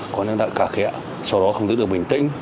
có những đại ca khẽ sau đó không giữ được bình tĩnh